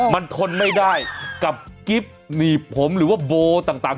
มันทนไม่ได้กับกิ๊บหนีบผมหรือว่าโบต่าง